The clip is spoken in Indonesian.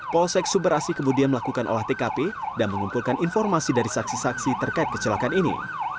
polsek suberasi kemudian melakukan olah tkp dan mengumpulkan informasi dari saksi saksi terkait kecelakaan ini